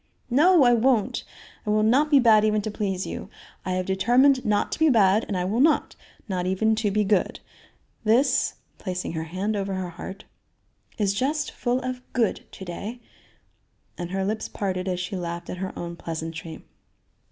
"No, I won't! I will not be bad even to please you; I have determined not to be bad and I will not not even to be good. This," placing her hand over her heart, "is just full of 'good' to day," and her lips parted as she laughed at her own pleasantry.